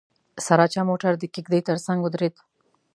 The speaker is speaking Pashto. سراچه موټر د کېږدۍ تر څنګ ودرېد.